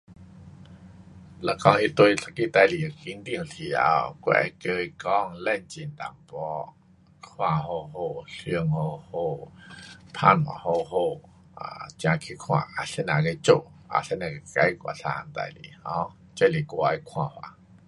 若讲他对一个事情紧张时头，我会跟他讲冷静一点，看好好，想好好，打算好好，um 才去看啊怎样去做，啊怎样去解决一样事情 um 这是我的看法。